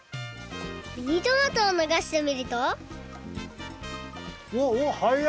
ミニトマトをながしてみるとおおおおはや！